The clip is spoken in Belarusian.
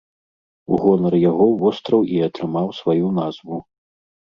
У гонар яго востраў і атрымаў сваю назву.